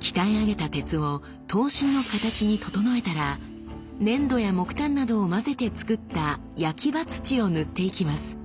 鍛え上げた鉄を刀身の形に整えたら粘土や木炭などを混ぜてつくった焼刃土を塗っていきます。